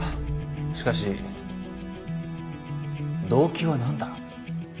しかし動機はなんだ？